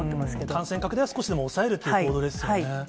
感染拡大は少しでも抑えるという行動ですよね。